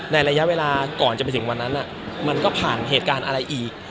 ระยะเวลาก่อนจะไปถึงวันนั้นมันก็ผ่านเหตุการณ์อะไรอีก